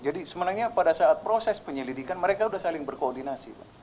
jadi sebenarnya pada saat proses penyelidikan mereka sudah saling berkoordinasi